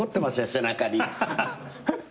背中に。